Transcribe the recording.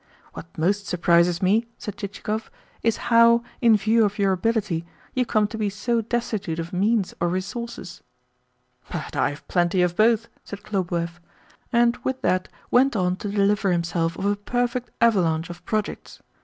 "What most surprises me," said Chichikov, "is how, in view of your ability, you come to be so destitute of means or resources." "But I have plenty of both," said Khlobuev, and with that went on to deliver himself of a perfect avalanche of projects.